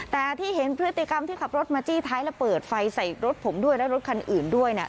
แต่ที่เห็นพฤติกรรมที่ขับรถมาจี้ท้ายแล้วเปิดไฟใส่รถผมด้วยและรถคันอื่นด้วยเนี่ย